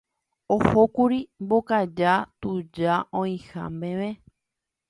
Ohókuri Mbokaja tuja oĩha meve.